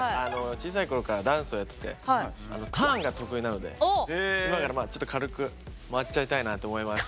小さい頃からダンスをやっててターンが得意なので今からちょっと軽く回っちゃいたいなと思います。